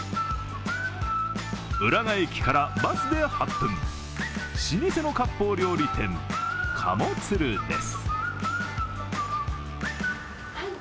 浦賀駅からバスで８分老舗の割烹料理店、鴨鶴です。